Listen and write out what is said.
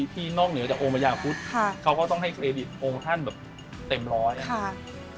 นอกเหนือจากองค์พญาพุทธเขาก็ต้องให้เครดิตองค์ท่านแบบเต็มร้อยนะครับ